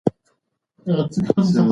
ده د ساده لباس کارولو ته دوام ورکړ.